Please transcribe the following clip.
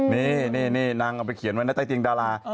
นี่นางเอาไปเขียนไว้ในใต้เตียงดารา